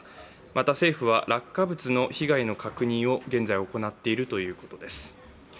また、政府は落下物の被害の確認を現在行っているということです。